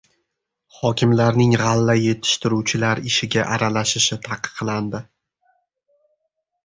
Hokimlarning g‘alla yetishtiruvchilar ishiga aralashishi taqiqlandi